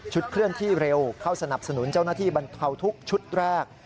เคลื่อนที่เร็วเข้าสนับสนุนเจ้าหน้าที่บรรเทาทุกชุดแรก